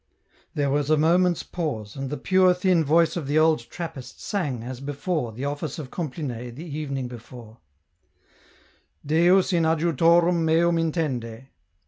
There was a moment's pause, and the pure thin voice of the old Trappist sang as before the office of Compline the evening before :" Deus in adjutorium meum intende."